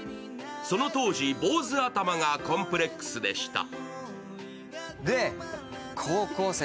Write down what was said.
その当時、坊主頭がコンプレックスでした。